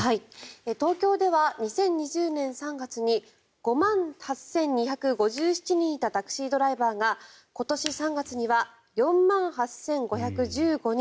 東京では２０２０年３月に５万８２５７人いたタクシードライバーが今年３月には４万８５１５人。